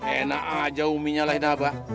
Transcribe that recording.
enak aja umi nya lahin abah